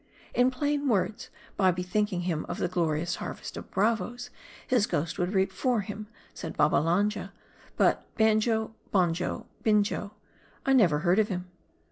" In plain words by bethinking him of the glorious har vest of bravos his ghost would reap for him," said Babba lanja ;" but Banjo, Bonjo, Binjo, I never heard of him."